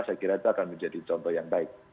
saya kira itu akan menjadi contoh yang baik